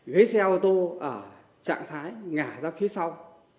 ghế xe ô tô ở trạng thái ngải ra phía sau